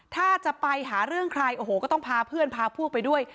ถ้าจะไปหาเรื่องใครโอ้โหก็ต้องพาเพื่อนพาพวกไปด้วย